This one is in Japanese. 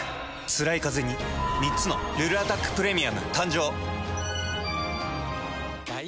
つらいカゼに３つの「ルルアタックプレミアム」誕生。